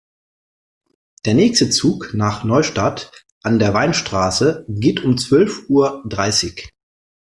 Der nächste Zug nach Neustadt an der Weinstraße geht um zwölf Uhr dreißig